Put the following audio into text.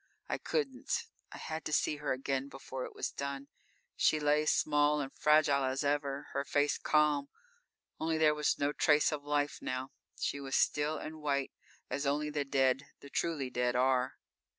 I couldn't. I had to see her again before it was done. She lay, small and fragile as ever, her face calm, only there was no trace of life now. She was still and white, as only the dead the truly dead are.